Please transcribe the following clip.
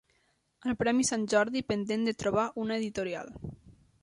El premi Sant Jordi pendent de trobar una editorial